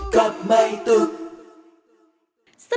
กลับใหม่ตุ๊ก